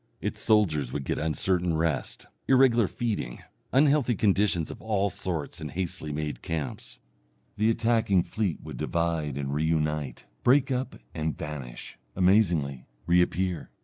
Its soldiers would get uncertain rest, irregular feeding, unhealthy conditions of all sorts in hastily made camps. The attacking fleet would divide and re unite, break up and vanish, amazingly reappear.